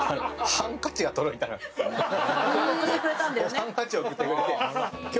ハンカチを送ってくれて。